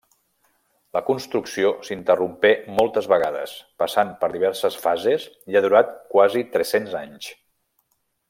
La construcció s'interrompé moltes vegades, passant per diverses fases i ha durat quasi tres-cents anys.